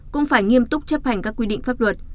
cũng phải nghiêm túc chấp hành các quy định pháp luật